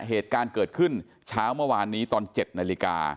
เหตุการณ์เกิดขึ้นเช้าเมื่อวานนี้ตอน๗นาฬิกา